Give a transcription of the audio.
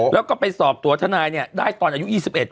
แล้วสอบตัวทนายได้ตอนอายุ๒๑